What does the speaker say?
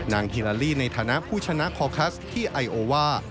ฮิลาลีในฐานะผู้ชนะคอคัสที่ไอโอว่า